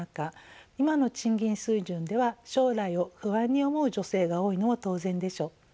今の賃金水準では将来を不安に思う女性が多いのも当然でしょう。